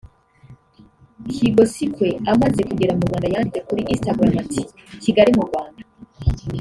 Kgosinkwe amaze kugera mu Rwanda yanditse kuri Instagram ati “Kigali mu Rwanda